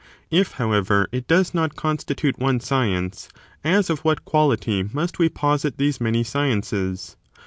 I^ however, it does not constitute one science, as of what quality must we posite these many sciences?